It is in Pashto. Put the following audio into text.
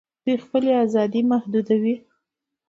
دوی خپلي آزادۍ محدودوي